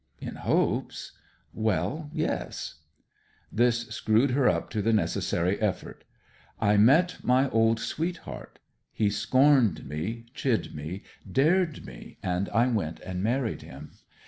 'In hopes!' 'Well, yes.' This screwed her up to the necessary effort. 'I met my old sweetheart. He scorned me, chid me, dared me, and I went and married him.